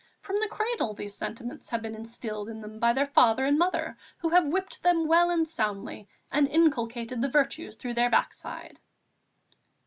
From the cradle these sentiments have been instilled in them by their father and mother, who have whipped them well and soundly and inculcated the virtues through their backside."